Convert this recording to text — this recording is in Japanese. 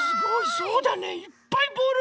そうだねいっぱいボール。